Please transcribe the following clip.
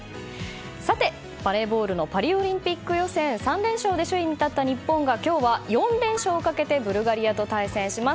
さて、バレーボールのパリオリンピック予選３連勝で首位に立った日本が今日は４連勝をかけてブルガリアと対戦します。